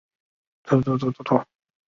最近的为罗马和梵蒂冈。